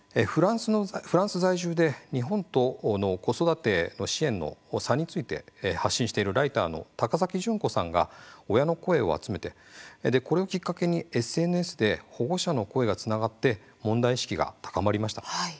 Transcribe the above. フランス在住で日本との子育ての支援の差について発信しているライターの高崎順子さんが親の声を集めてこれをきっかけにＳＮＳで保護者の声がつながって問題意識が高まりました。